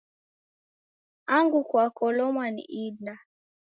Angu kwakolomwa ni ida?